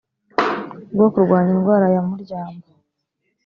rwo kurwanya indwara ya muryamo